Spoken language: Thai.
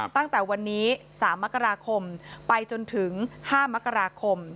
ตั้งแต่วันนี้๓มกราคมไปจนถึง๕มกราคม